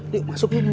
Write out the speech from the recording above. yuk masukin yuk